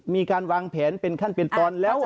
มีการวางแผนเป็นขั้นเป็นตอนแล้ว